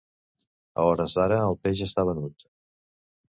A hores d’ara, el peix està venut.